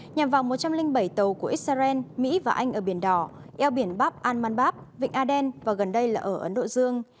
nhằm vào một trăm linh bảy tàu của israel mỹ và anh ở biển đỏ eo biển bab al manbab vịnh aden và gần đây là ở ấn độ dương